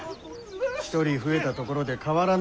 １人増えたところで変わらぬであろう。